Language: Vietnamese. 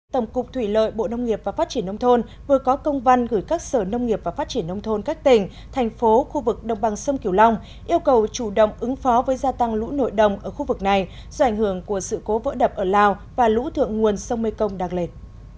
tổng cục thủy lợi bộ nông nghiệp và phát triển nông thôn vừa có công văn gửi các sở nông nghiệp và phát triển nông thôn các tỉnh thành phố khu vực đồng bằng sông kiều long yêu cầu chủ động ứng phó với gia tăng lũ nội đồng ở khu vực này do ảnh hưởng của sự cố vỡ đập ở lào và lũ thượng nguồn sông mê công đang lên